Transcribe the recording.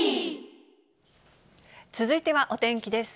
続いてはお天気です。